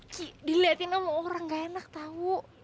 ki diliatin sama orang gak enak tau